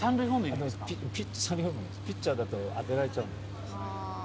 ピッチャーだと当てられちゃう。